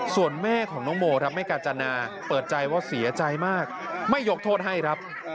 ส่วนแม่ของน้องโมครับไม่กาจนาเปิดใจว่าเสียใจมากไม่ยกโทษให้ครับ